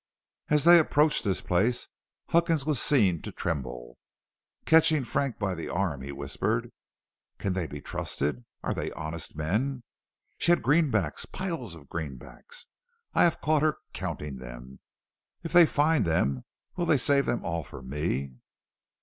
As they approached this place, Huckins was seen to tremble. Catching Frank by the arm, he whispered: "Can they be trusted? Are they honest men? She had greenbacks, piles of greenbacks; I have caught her counting them. If they find them, will they save them all for me?"